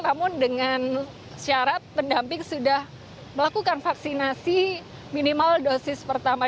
namun dengan syarat pendamping sudah melakukan vaksinasi minimal dosis pertama